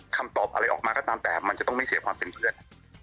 คำตอบอะไรออกมาก็ตามแต่มันจะต้องไม่เสียความเป็นเพื่อน